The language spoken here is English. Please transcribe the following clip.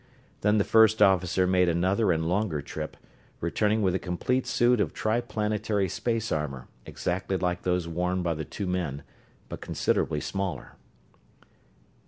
Then the first officer made another and longer trip, returning with a complete suit of triplanetary space armor, exactly like those worn by the two men, but considerably smaller.